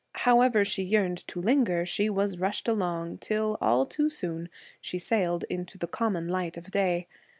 However she yearned to linger, she was rushed along till, all too soon, she sailed into the common light of day.